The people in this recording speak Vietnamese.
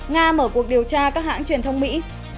nga mở cuộc điều tra các hãng truyền thông mỹ